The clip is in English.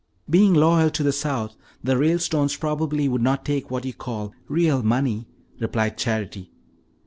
"Being loyal to the South, the Ralestones probably would not take what you call 'real money,'" replied Charity.